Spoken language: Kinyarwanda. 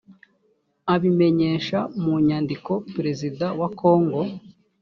abimenyesha mu nyandiko perezida wa kongo